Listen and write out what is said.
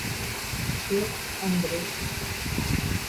Che Andrés.